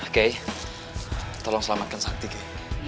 keh tolong selamatkan sakti keh